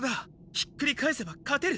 ひっくり返せば勝てる！